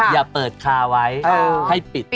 อย่าเปิดคาไว้ให้ปิด